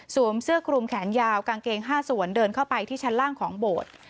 เสื้อคลุมแขนยาวกางเกง๕ส่วนเดินเข้าไปที่ชั้นล่างของโบสถ์